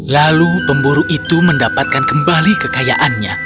lalu pemburu itu mendapatkan kembali kekayaannya